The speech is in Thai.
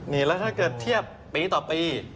นี่แล้วถ้าเกิดเทียบปีต่อปี